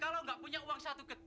kalau enggak punya uang satu ketip